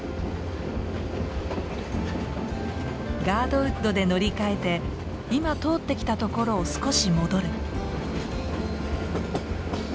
ガードウッドで乗り換えて今通ってきた所を少し戻る。